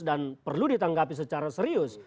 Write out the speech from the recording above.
dan perlu ditanggapi secara serius